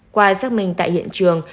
qua xác minh tại hiện trường